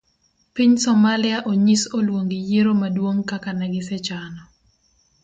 Piny somalia onyis oluong yiero maduong' kaka negisechano.